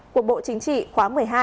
của bộ chính trị khóa một mươi hai